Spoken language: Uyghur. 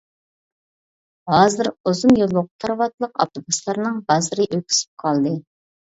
ھازىر ئۇزۇن يوللۇق كارىۋاتلىق ئاپتوبۇسلارنىڭ بازىرى ئۆكسۈپ قالدى.